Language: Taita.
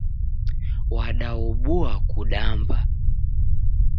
Wadaobua kudamba.